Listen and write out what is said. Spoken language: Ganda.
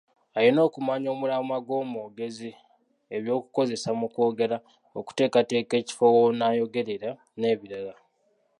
Alina okumanya omulamwa gw’omwogezi, eby’okukozesa mu kwogera, okuteekateeka ekifo w’onaayogerera n’ebirala.